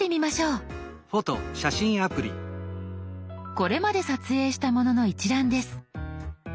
これまで撮影したものの一覧です。